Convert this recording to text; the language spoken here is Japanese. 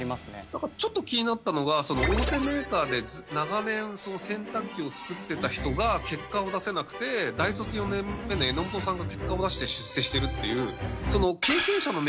なんかちょっと気になったのが大手メーカーで長年洗濯機を作ってた人が結果を出せなくて大卒４年目の榎本さんが結果を出して出世してるっていう。